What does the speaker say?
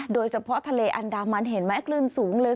โดยเฉพาะทะเลอันดามันเห็นไหมคลื่นสูงเลย